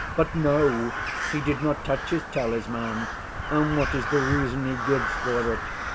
"But no, he did not touch his talisman, and what is the reason he gives for it?